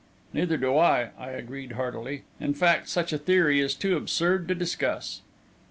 "Neither do I," I agreed, heartily. "In fact, such a theory is too absurd to discuss."